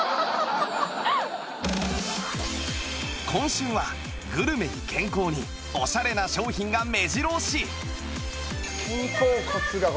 今週はグルメに健康にオシャレな商品が目白押し！